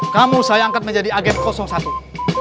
pintu bentuk delinahan berpengalan